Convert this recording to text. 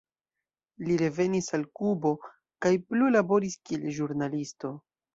Li revenis al Kubo kaj plu laboris kiel ĵurnalisto.